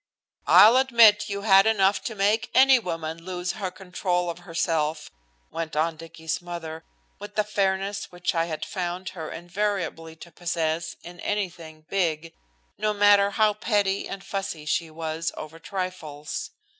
"I'll admit you've had enough to make any woman lose her control of herself," went on Dicky's mother, with the fairness which I had found her invariably to possess in anything big, no matter how petty and fussy she was over trifles.